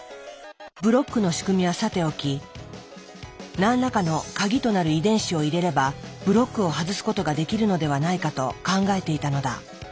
ブロックの仕組みはさておき何らかのカギとなる遺伝子を入れればブロックを外すことができるのではないかと考えていたのだ。